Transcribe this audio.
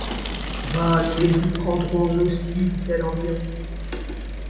Bah ! nous les y prendrons aussy ! dit-elle en riant.